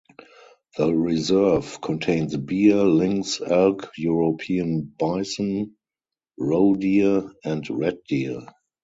The reserve contains bear, lynx, elk, European bison, roe deer and red deer.